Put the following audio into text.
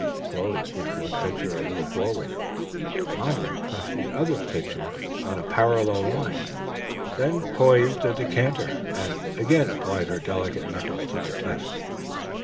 Chloe pushed one pitcher a little forward, mamma pushed the other on a parallel line, then poised a decanter, and again applied her delicate knuckles for the test.